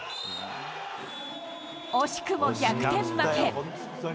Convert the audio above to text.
惜しくも逆転負け。